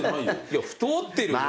いや太ってるよ。